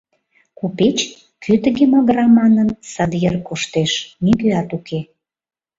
Купеч, кӧ тыге магыра манын, сад йыр коштеш, нигӧат уке.